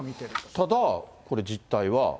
ただこれ、実態は？